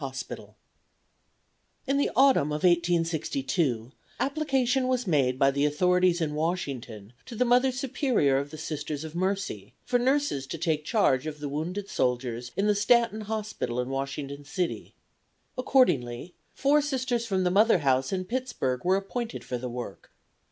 In the autumn of 1862 application was made by the authorities in Washington to the Mother Superior of the Sisters of Mercy for nurses to take charge of the wounded soldiers in the Stanton Hospital in Washington City. Accordingly, four Sisters from the mother house in Pittsburg were appointed for the work.